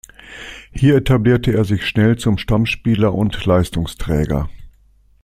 Hier etablierte er sich schnell zum Stammspieler und Leistungsträger.